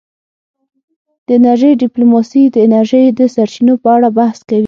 د انرژۍ ډیپلوماسي د انرژۍ د سرچینو په اړه بحث کوي